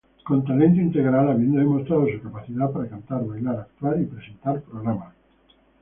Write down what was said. Con talento integral, habiendo demostrado su capacidad para cantar, bailar, actuar y presentar programas.